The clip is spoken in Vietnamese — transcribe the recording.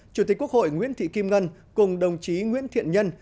chủ tịch quốc hội nguyễn thị kim ngân cùng đồng chí nguyễn thiện nhân